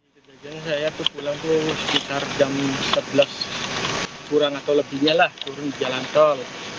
kejadian saya tuh pulang itu sekitar jam sebelas kurang atau lebihnya lah turun jalan tol